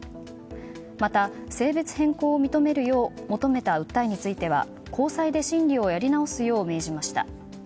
また性別変更を認めるよう求めた訴えについては高裁で審理をやり直すよう命じました。